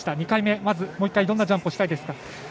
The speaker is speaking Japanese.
２回目どんなジャンプをしたいですか？